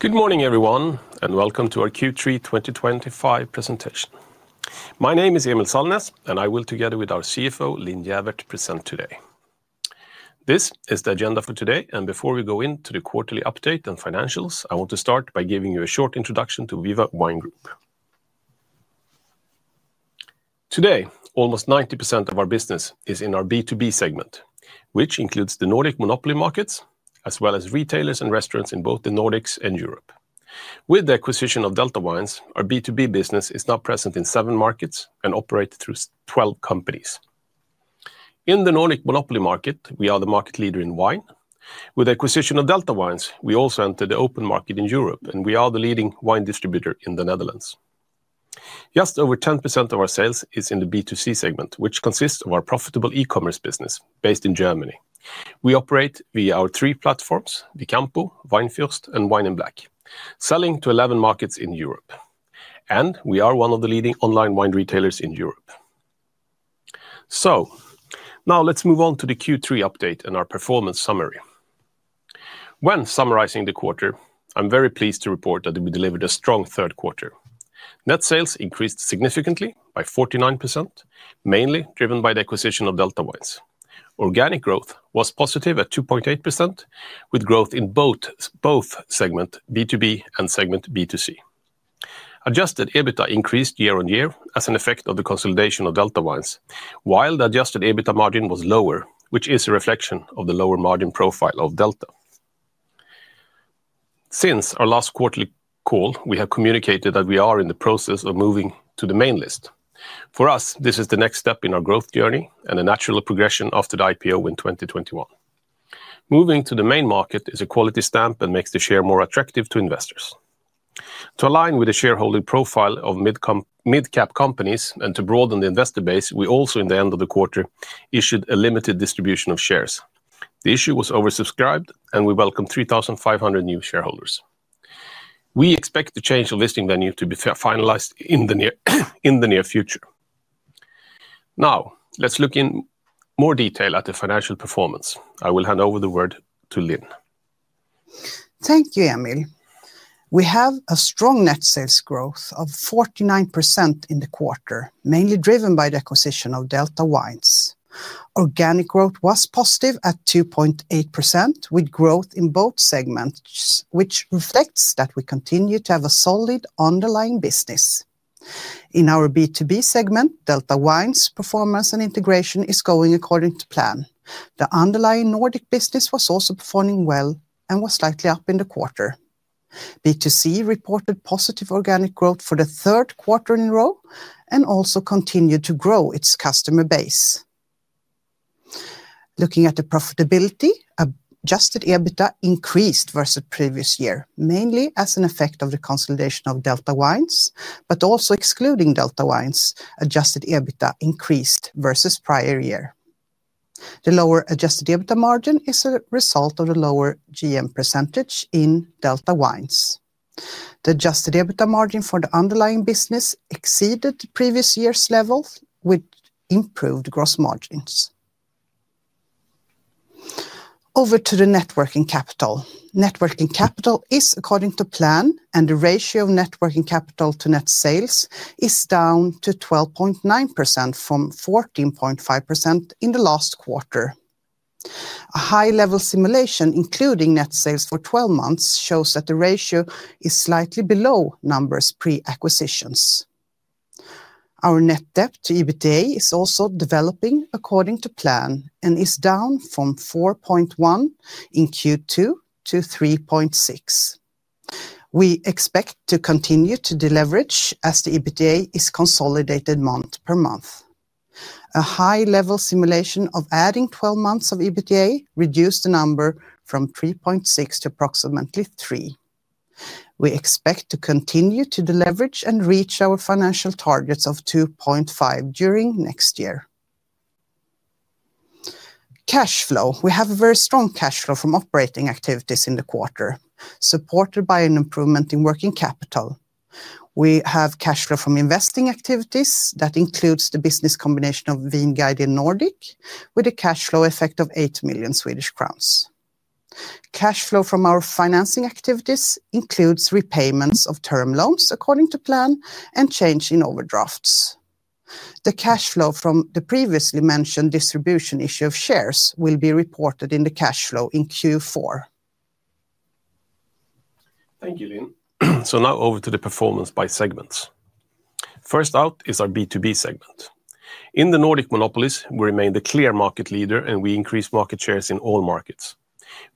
Good morning, everyone, and welcome to our Q3 2025 presentation. My name is Emil Sallnäs, and I will, together with our CFO, Linn Gäfvert, present today. This is the agenda for today, and before we go into the quarterly update and financials, I want to start by giving you a short introduction to Viva Wine Group. Today, almost 90% of our business is in our B2B segment, which includes the Nordic monopoly markets, as well as retailers and restaurants in both the Nordics and Europe. With the acquisition of Delta Wines, our B2B business is now present in seven markets and operates through 12 companies. In the Nordic monopoly market, we are the market leader in wine. With the acquisition of Delta Wines, we also entered the open market in Europe, and we are the leading wine distributor in the Netherlands. Just over 10% of our sales is in the B2C segment, which consists of our profitable e-commerce business based in Germany. We operate via our three platforms: Vicampo, Weinfürst, and Wine in Black, selling to 11 markets in Europe. We are one of the leading online wine retailers in Europe. Now let's move on to the Q3 update and our performance summary. When summarizing the quarter, I'm very pleased to report that we delivered a strong third quarter. Net sales increased significantly by 49%, mainly driven by the acquisition of Delta Wines. Organic growth was positive at 2.8%, with growth in both segments, B2B and segment B2C. Adjusted EBITDA increased year-on-year as an effect of the consolidation of Delta Wines, while the adjusted EBITDA margin was lower, which is a reflection of the lower margin profile of Delta. Since our last quarterly call, we have communicated that we are in the process of moving to the main list. For us, this is the next step in our growth journey and a natural progression after the IPO in 2021. Moving to the main market is a quality stamp and makes the share more attractive to investors. To align with the shareholder profile of mid-cap companies and to broaden the investor base, we also, in the end of the quarter, issued a limited distribution of shares. The issue was oversubscribed, and we welcomed 3,500 new shareholders. We expect the change of listing venue to be finalized in the near future. Now, let's look in more detail at the financial performance. I will hand over the word to Linn. Thank you, Emil. We have a strong net sales growth of 49% in the quarter, mainly driven by the acquisition of Delta Wines. Organic growth was positive at 2.8%, with growth in both segments, which reflects that we continue to have a solid underlying business. In our B2B segment, Delta Wines' performance and integration are going according to plan. The underlying Nordic business was also performing well and was slightly up in the quarter. B2C reported positive organic growth for the third quarter in a row and also continued to grow its customer base. Looking at the profitability, adjusted EBITDA increased versus the previous year, mainly as an effect of the consolidation of Delta Wines, but also excluding Delta Wines, adjusted EBITDA increased versus the prior year. The lower adjusted EBITDA margin is a result of the lower GM percentage in Delta Wines. The adjusted EBITDA margin for the underlying business exceeded the previous year's level, which improved gross margins. Over to the working capital. Working capital is, according to plan, and the ratio of working capital to net sales is down to 12.9% from 14.5% in the last quarter. A high-level simulation, including net sales for 12 months, shows that the ratio is slightly below numbers pre-acquisitions. Our net debt to EBITDA is also developing according to plan and is down from 4.1% in Q2 to 3.6%. We expect to continue to deleverage as the EBITDA is consolidated month by month. A high-level simulation of adding 12 months of EBITDA reduced the number from 3.6% to approximately 3%. We expect to continue to deleverage and reach our financial targets of 2.5% during next year. Cash flow. We have a very strong cash flow from operating activities in the quarter, supported by an improvement in working capital. We have cash flow from investing activities that includes the business combination of Vinguiden Nordic, with a cash flow effect of 8 million Swedish crowns. Cash flow from our financing activities includes repayments of term loans according to plan and change in overdrafts. The cash flow from the previously mentioned distribution issue of shares will be reported in the cash flow in Q4. Thank you, Linn. Now over to the performance by segments. First out is our B2B segment. In the Nordic monopolies, we remain the clear market leader, and we increased market shares in all markets.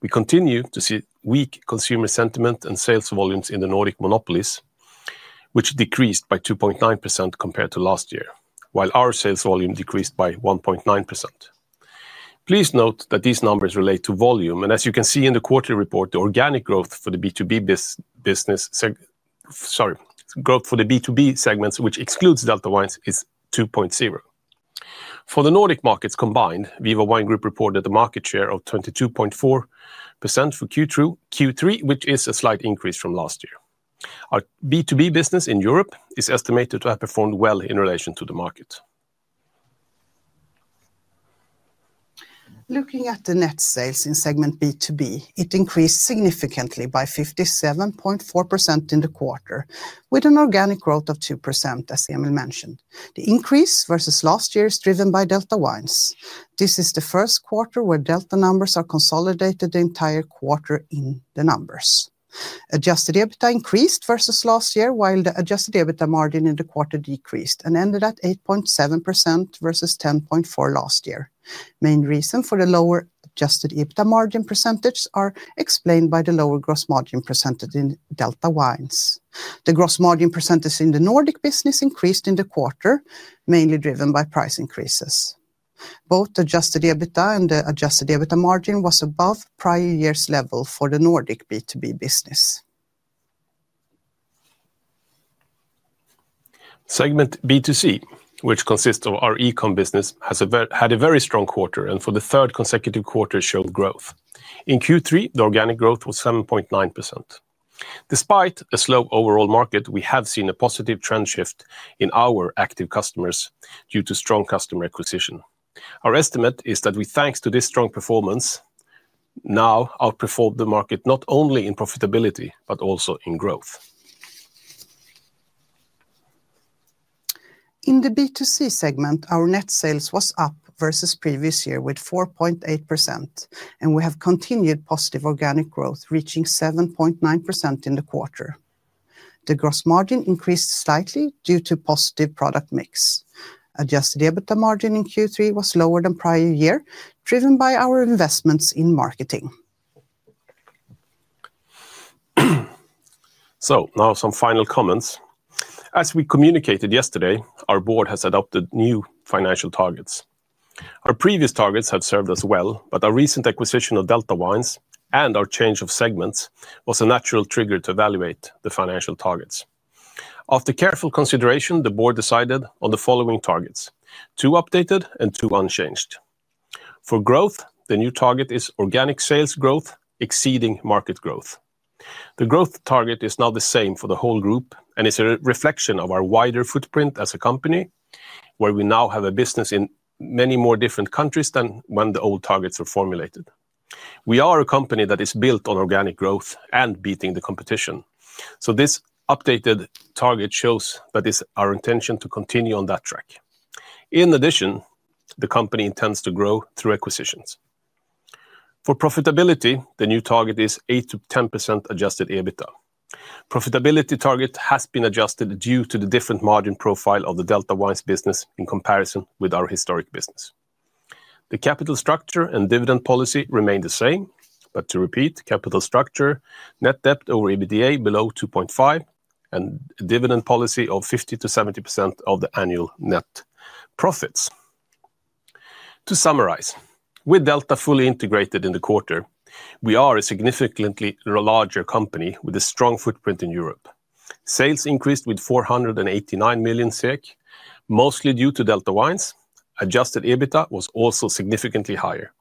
We continue to see weak consumer sentiment and sales volumes in the Nordic monopolies, which decreased by 2.9% compared to last year, while our sales volume decreased by 1.9%. Please note that these numbers relate to volume, and as you can see in the quarterly report, the organic growth for the B2B segments, which excludes Delta Wines, is 2.0%. For the Nordic markets combined, Viva Wine Group reported a market share of 22.4% for Q3, which is a slight increase from last year. Our B2B business in Europe is estimated to have performed well in relation to the market. Looking at the net sales in segment B2B, it increased significantly by 57.4% in the quarter, with an organic growth of 2%, as Emil mentioned. The increase versus last year is driven by Delta Wines. This is the first quarter where Delta numbers are consolidated the entire quarter in the numbers. Adjusted EBITDA increased versus last year, while the adjusted EBITDA margin in the quarter decreased and ended at 8.7% versus 10.4% last year. The main reason for the lower adjusted EBITDA margin percentage is explained by the lower gross margin percentage in Delta Wines. The gross margin percentage in the Nordic business increased in the quarter, mainly driven by price increases. Both adjusted EBITDA and the adjusted EBITDA margin were above prior year's level for the Nordic B2B business. Segment B2C, which consists of our e-com business, had a very strong quarter, and for the third consecutive quarter, it showed growth. In Q3, the organic growth was 7.9%. Despite a slow overall market, we have seen a positive trend shift in our active customers due to strong customer acquisition. Our estimate is that we, thanks to this strong performance, now outperform the market not only in profitability but also in growth. In the B2C segment, our net sales were up versus the previous year with 4.8%, and we have continued positive organic growth, reaching 7.9% in the quarter. The gross margin increased slightly due to positive product mix. Adjusted EBITDA margin in Q3 was lower than prior year, driven by our investments in marketing. Now some final comments. As we communicated yesterday, our board has adopted new financial targets. Our previous targets have served us well, but our recent acquisition of Delta Wines and our change of segments was a natural trigger to evaluate the financial targets. After careful consideration, the board decided on the following targets: two updated and two unchanged. For growth, the new target is organic sales growth exceeding market growth. The growth target is now the same for the whole group and is a reflection of our wider footprint as a company, where we now have a business in many more different countries than when the old targets were formulated. We are a company that is built on organic growth and beating the competition. This updated target shows that it is our intention to continue on that track. In addition, the company intends to grow through acquisitions. For profitability, the new target is 8%-10% adjusted EBITDA. The profitability target has been adjusted due to the different margin profile of the Delta Wines business in comparison with our historic business. The capital structure and dividend policy remain the same, but to repeat, capital structure, net debt over EBITDA below 2.5%, and dividend policy of 50%-70% of the annual net profits. To summarize, with Delta fully integrated in the quarter, we are a significantly larger company with a strong footprint in Europe. Sales increased with 489 million SEK, mostly due to Delta Wines. Adjusted EBITDA was also significantly higher.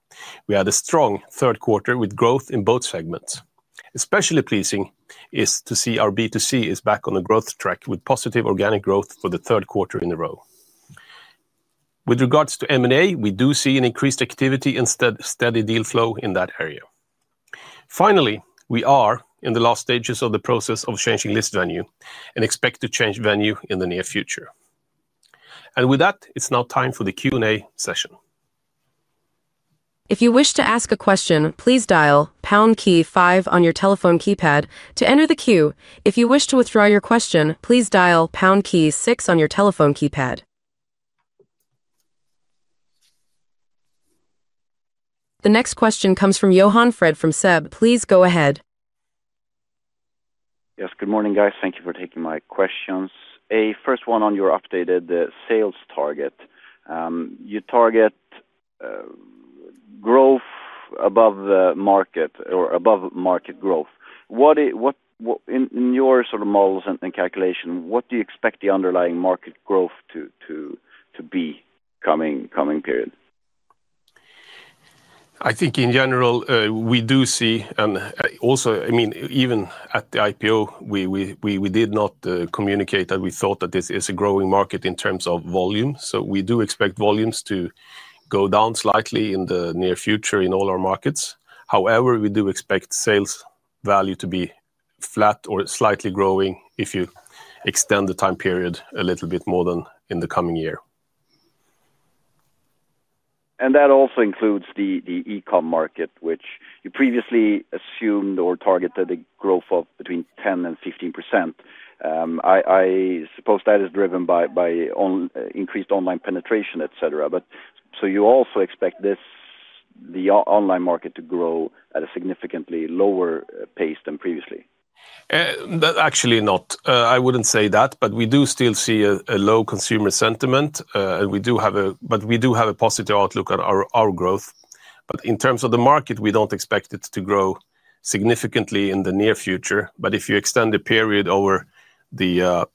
We had a strong third quarter with growth in both segments. Especially pleasing is to see our B2C is back on the growth track with positive organic growth for the third quarter in a row. With regards to M&A, we do see an increased activity and steady deal flow in that area. Finally, we are in the last stages of the process of changing list venue and expect to change venue in the near future. With that, it's now time for the Q&A session. If you wish to ask a question, please dial pound key five on your telephone keypad to enter the queue. If you wish to withdraw your question, please dial pound six on your telephone keypad. The next question comes from Johan Fred from SEB. Please go ahead. Yes, good morning, guys. Thank you for taking my questions. A first one on your updated sales target. You target growth above market or above market growth. In your sort of models and calculation, what do you expect the underlying market growth to be coming period? I think in general, we do see, and also, I mean, even at the IPO, we did not communicate that we thought that this is a growing market in terms of volume. We do expect volumes to go down slightly in the near future in all our markets. However, we do expect sales value to be flat or slightly growing if you extend the time period a little bit more than in the coming year. That also includes the e-com market, which you previously assumed or targeted a growth of between 10% and 15%. I suppose that is driven by increased online penetration, etc. You also expect the online market to grow at a significantly lower pace than previously? Actually not. I wouldn't say that, but we do still see a low consumer sentiment, and we do have a positive outlook on our growth. In terms of the market, we don't expect it to grow significantly in the near future. If you extend the period over the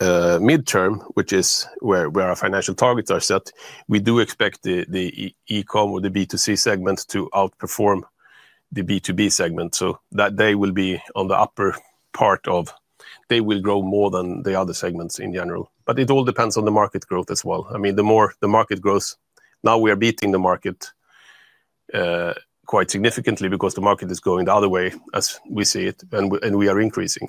midterm, which is where our financial targets are set, we do expect the e-com or the B2C segment to outperform the B2B segment. They will be on the upper part of, they will grow more than the other segments in general. It all depends on the market growth as well. I mean, the more the market grows, now we are beating the market quite significantly because the market is going the other way, as we see it, and we are increasing.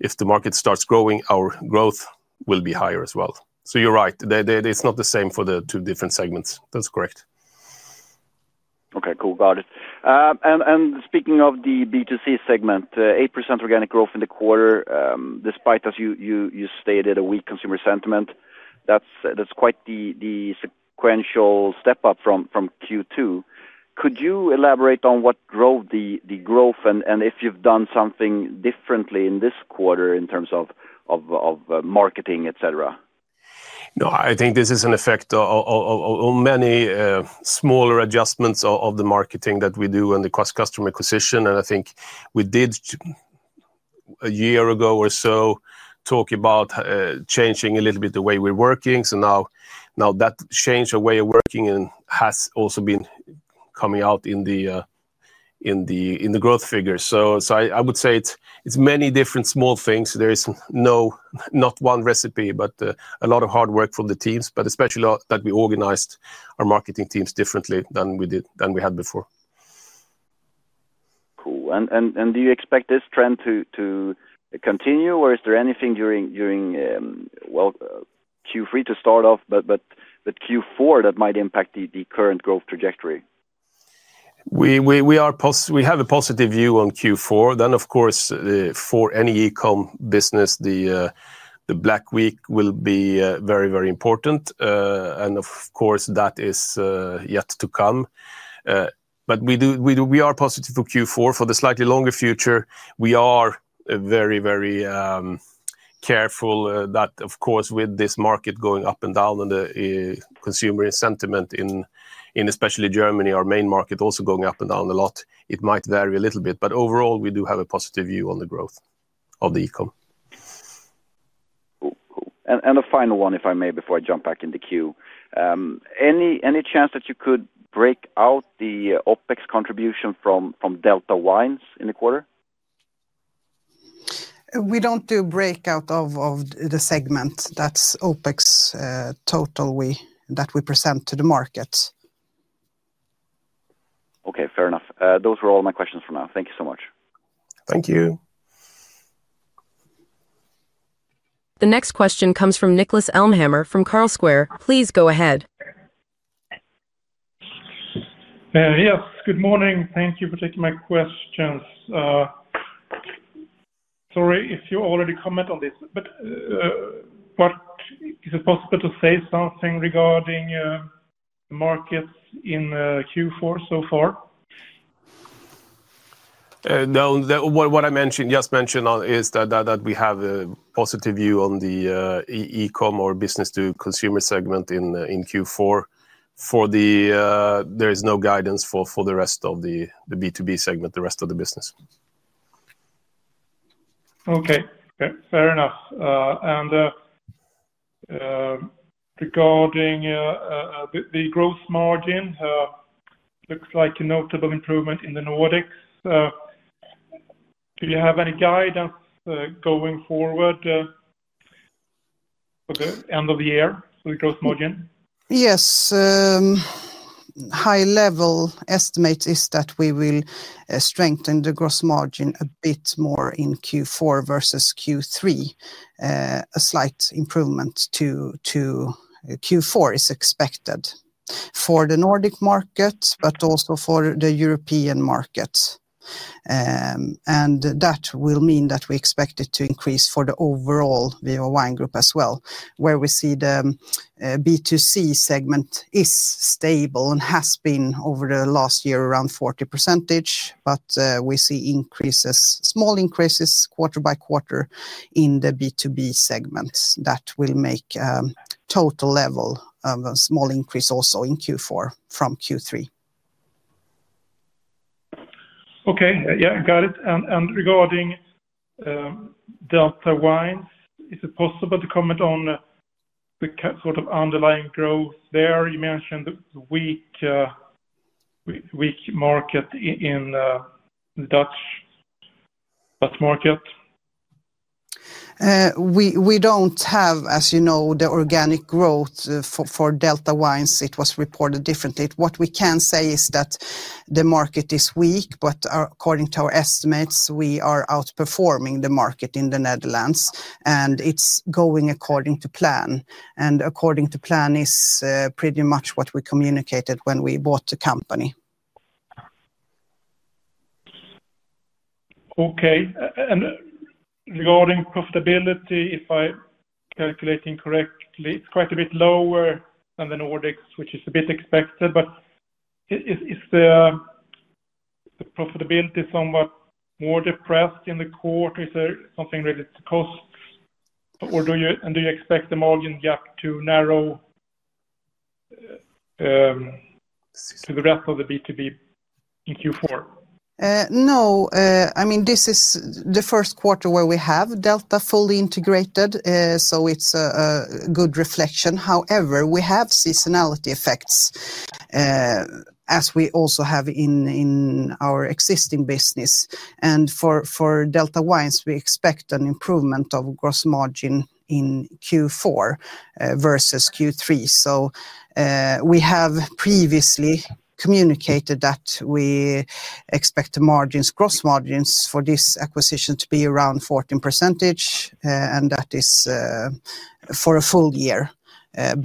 If the market starts growing, our growth will be higher as well. You're right. It's not the same for the two different segments. That's correct. Okay, cool. Got it. Speaking of the B2C segment, 8% organic growth in the quarter, despite, as you stated, a weak consumer sentiment, that's quite the sequential step up from Q2. Could you elaborate on what drove the growth and if you've done something differently in this quarter in terms of marketing, etc.? No, I think this is an effect of many smaller adjustments of the marketing that we do and the customer acquisition. I think we did a year ago or so talk about changing a little bit the way we're working. Now that change of way of working has also been coming out in the growth figures. I would say it's many different small things. There is not one recipe, but a lot of hard work from the teams, especially that we organized our marketing teams differently than we had before. Cool. Do you expect this trend to continue, or is there anything during Q3 to start off, but Q4 that might impact the current growth trajectory? We have a positive view on Q4. For any e-com business, the Black Week will be very, very important. That is yet to come. We are positive for Q4. For the slightly longer future, we are very, very careful that, of course, with this market going up and down and the consumer sentiment in especially Germany, our main market, also going up and down a lot, it might vary a little bit. Overall, we do have a positive view on the growth of the e-com. A final one, if I may, before I jump back in the queue. Any chance that you could break out the OpEx contribution from Delta Wines in the quarter? We don't do breakout of the segment. That's OpEx total that we present to the market. Okay, fair enough. Those were all my questions for now. Thank you so much. Thank you. The next question comes from Niklas Elmhammer from Carlsquare. Please go ahead. Yes, good morning. Thank you for taking my questions. Sorry if you already comment on this, but is it possible to say something regarding the markets in Q4 so far? No, what I just mentioned is that we have a positive view on the e-com or business-to-consumer segment in Q4. There is no guidance for the rest of the B2B segment, the rest of the business. Okay, fair enough. Regarding the gross margin, it looks like a notable improvement in the Nordics. Do you have any guidance going forward for the end of the year for the gross margin? Yes. High-level estimate is that we will strengthen the gross margin a bit more in Q4 versus Q3. A slight improvement to Q4 is expected for the Nordic markets, but also for the European markets. That will mean that we expect it to increase for the overall Viva Wine Group as well, where we see the B2C segment is stable and has been over the last year around 40%, but we see small increases quarter by quarter in the B2B segments. That will make total level of a small increase also in Q4 from Q3. Okay, yeah, got it. Regarding Delta Wines, is it possible to comment on the sort of underlying growth there? You mentioned the weak market in the Dutch market. We don't have, as you know, the organic growth for Delta Wines. It was reported differently. What we can say is that the market is weak, but according to our estimates, we are outperforming the market in the Netherlands, and it's going according to plan. According to plan is pretty much what we communicated when we bought the company. Okay. Regarding profitability, if I calculate incorrectly, it's quite a bit lower than the Nordics, which is a bit expected, but is the profitability somewhat more depressed in the quarter? Is there something related to costs? Do you expect the margin gap to narrow to the rest of the B2B in Q4? No. I mean, this is the first quarter where we have Delta fully integrated, so it's a good reflection. However, we have seasonality effects, as we also have in our existing business. For Delta Wines, we expect an improvement of gross margin in Q4 versus Q3. We have previously communicated that we expect the margins, gross margins for this acquisition, to be around 14%, and that is for a full year. The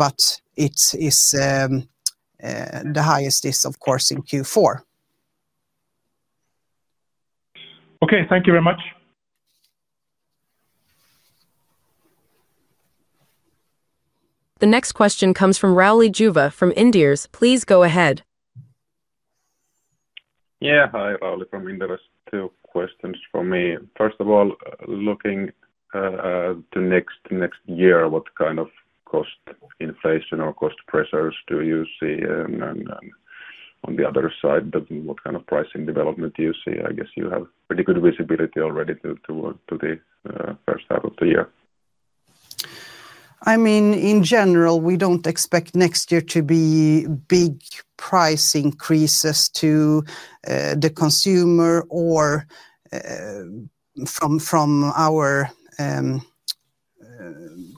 highest is, of course, in Q4. Okay, thank you very much. The next question comes from Rauli Juva from Inderes. Please go ahead. Yeah, hi, Rauli from Inderes. Two questions for me. First of all, looking to next year, what kind of cost inflation or cost pressures do you see? On the other side, what kind of pricing development do you see? I guess you have pretty good visibility already to the first half of the year. I mean, in general, we don't expect next year to be big price increases to the consumer or from our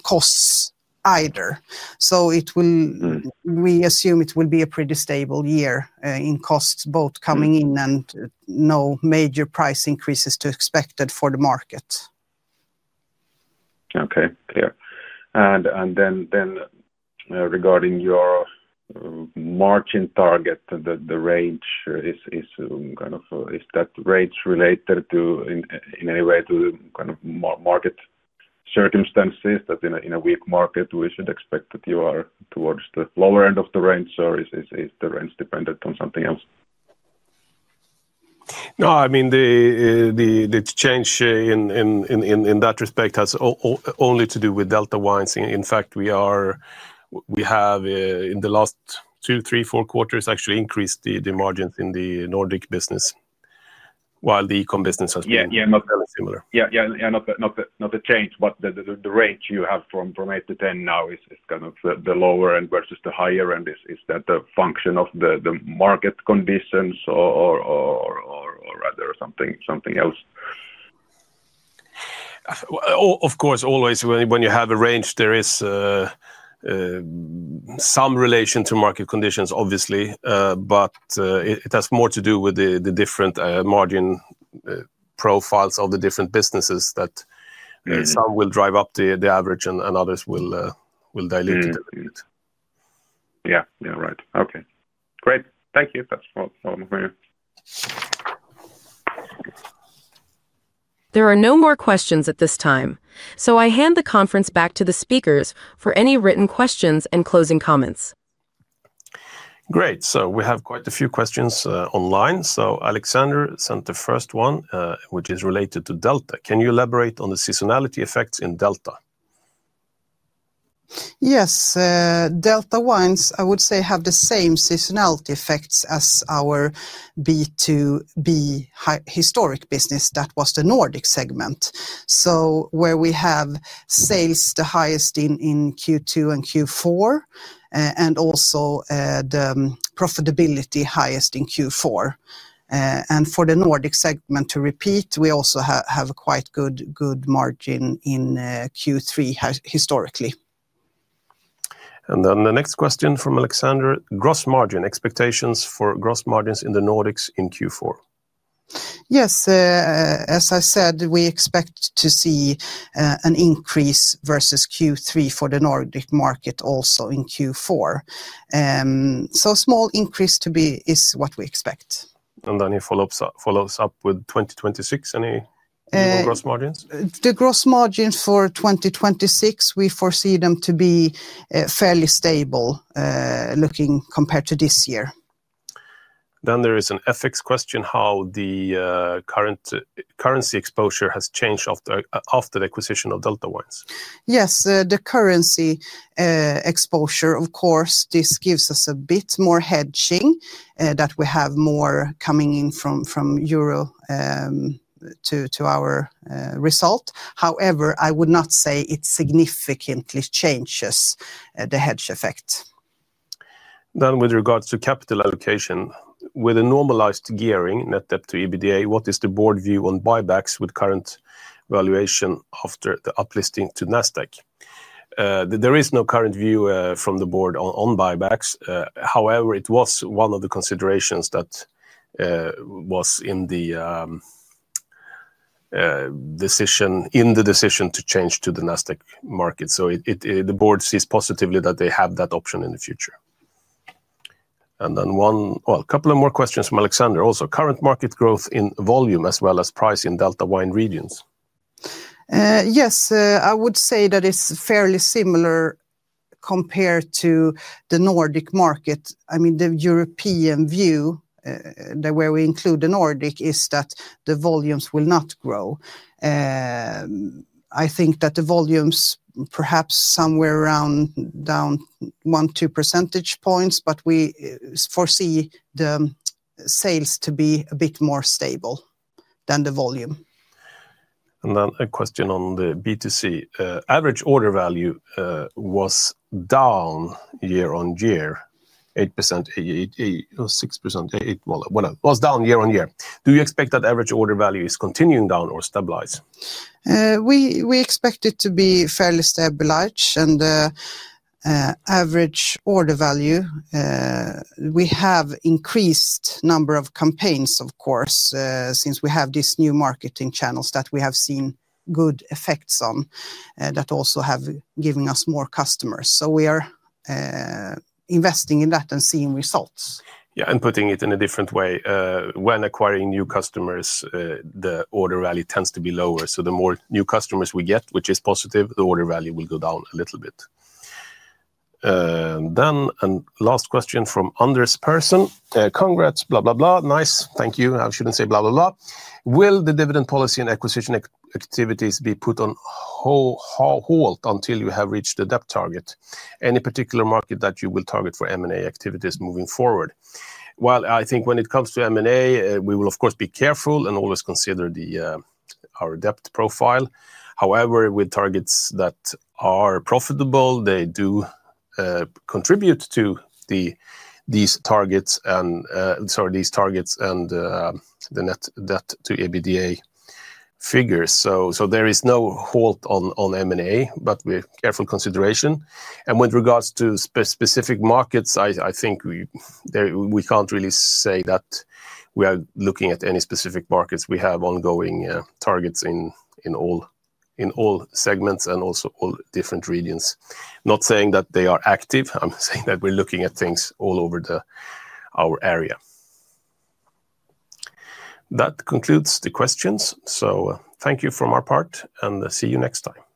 costs either. We assume it will be a pretty stable year in costs, both coming in and no major price increases expected for the market. Okay, clear. Regarding your margin target, the range is kind of, is that range related in any way to kind of market circumstances? That in a weak market, we should expect that you are towards the lower end of the range, or is the range dependent on something else? No, I mean, the change in that respect has only to do with Delta Wines. In fact, we have in the last two, three, four quarters actually increased the margins in the Nordic business, while the e-com business has been. Yeah, yeah, not that similar. Yeah, yeah, not the change, but the range you have from 8%-10% now is kind of the lower end versus the higher end. Is that a function of the market conditions or rather something else? Of course, always when you have a range, there is some relation to market conditions, obviously, but it has more to do with the different margin profiles of the different businesses that some will drive up the average and others will dilute it. Yeah, right. Okay. Great. Thank you for all information. There are no more questions at this time. I hand the conference back to the speakers for any written questions and closing comments. Great. We have quite a few questions online. Alexander sent the first one, which is related to Delta. Can you elaborate on the seasonality effects in Delta? Yes. Delta Wines, I would say, have the same seasonality effects as our B2B historic business. That was the Nordic segment. We have sales the highest in Q2 and Q4, and also the profitability highest in Q4. For the Nordic segment, to repeat, we also have quite good margin in Q3 historically. The next question from Alexander. Gross margin, expectations for gross margins in the Nordics in Q4. Yes. As I said, we expect to see an increase versus Q3 for the Nordic market also in Q4. A small increase is what we expect. He follows up with 2026. Any gross margins? The gross margins for 2026, we foresee them to be fairly stable looking compared to this year. There is an ethics question, how the current currency exposure has changed after the acquisition of Delta Wines. Yes, the currency exposure, of course, this gives us a bit more hedging that we have more coming in from euro to our result. However, I would not say it significantly changes the hedge effect. With regards to capital allocation, with a normalized gearing net debt to EBITDA, what is the board view on buybacks with current valuation after the uplisting to Nasdaq? There is no current view from the board on buybacks. However, it was one of the considerations that was in the decision to change to the Nasdaq market. The board sees positively that they have that option in the future. A couple of more questions from Alexander. Also, current market growth in volume as well as price in Delta Wines regions. Yes, I would say that it's fairly similar compared to the Nordic market. I mean, the European view, where we include the Nordic, is that the volumes will not grow. I think that the volumes perhaps somewhere around down one-two percentage points, but we foresee the sales to be a bit more stable than the volume. A question on the B2C. Average order value was down year on year, 8%, 6%, 8%, whatever. Was down year on year. Do you expect that average order value is continuing down or stabilize? We expect it to be fairly stabilized. Average order value, we have increased number of campaigns, of course, since we have these new marketing channels that we have seen good effects on that also have given us more customers. We are investing in that and seeing results. Yeah, and putting it in a different way. When acquiring new customers, the order value tends to be lower. So the more new customers we get, which is positive, the order value will go down a little bit. A last question from Anders Persson. Congrats, blah, blah, blah. Nice. Thank you. I shouldn't say blah, blah, blah. Will the dividend policy and acquisition activities be put on hold until you have reached the debt target? Any particular market that you will target for M&A activities moving forward? I think when it comes to M&A, we will, of course, be careful and always consider our debt profile. However, with targets that are profitable, they do contribute to these targets and the net debt to EBITDA figures. There is no hold on M&A, but with careful consideration. With regards to specific markets, I think we can't really say that we are looking at any specific markets. We have ongoing targets in all segments and also all different regions. Not saying that they are active. I'm saying that we're looking at things all over our area. That concludes the questions. Thank you from our part and see you next time.